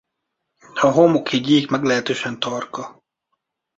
A homoki gyík meglehetősen tarka.